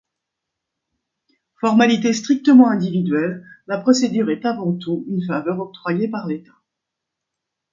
Formalité strictement individuelle, la procédure est avant tout une faveur octroyée par l'État.